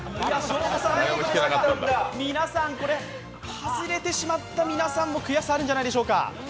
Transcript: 外れてしまった皆さんも悔しさあるんじゃないでしょうか。